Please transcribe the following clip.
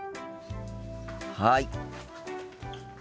はい。